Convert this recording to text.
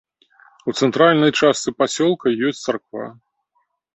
У цэнтральнай частцы пасёлка ёсць царква.